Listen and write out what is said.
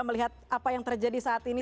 melihat apa yang terjadi saat ini